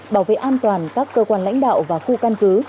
bảo vệ an toàn các cơ quan lãnh đạo và khu căn cứ